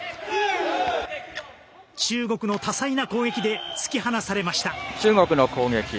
中国の多彩な攻撃で突き放されました。